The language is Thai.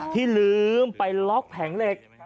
ที่ลืมไปล็อกแผงเหล็ก